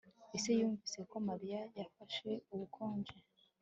ese yumvise ko mariya yafashe ubukonje